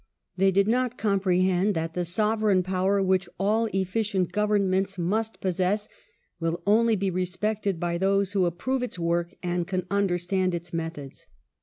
They did not compre hend that the sovereign power, which all eflftcient govern ments must possess, will only be respected by those who approve its work and can understand its methods.